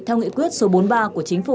theo nghị quyết số bốn mươi ba của chính phủ